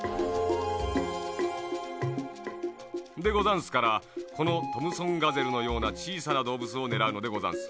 でござんすからこのトムソンガゼルのようなちいさなどうぶつをねらうのでござんす。